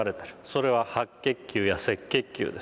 それは白血球や赤血球です。